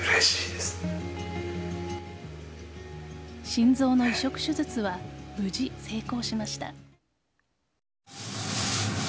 心臓の移植手術は無事、成功しました。